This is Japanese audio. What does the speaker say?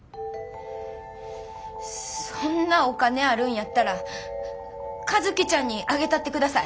そんなお金あるんやったら和希ちゃんにあげたってください。